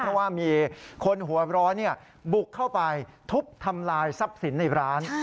เพราะว่ามีคนหัวร้อนบุกเข้าไปทุบทำลายทรัพย์สินในร้าน